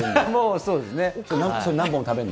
そうです。